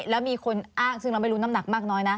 แล้วมีคนอ้างซึ่งเราไม่รู้น้ำหนักมากน้อยนะ